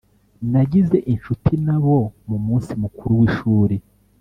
nagize inshuti nabo mumunsi mukuru wishuri.